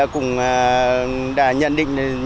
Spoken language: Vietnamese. cũng đã nhận định